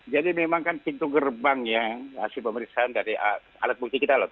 jadi memang kan pintu gerbangnya hasil pemeriksaan dari alat bukti kita loh